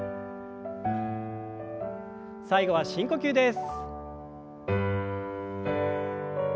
最後は深呼吸です。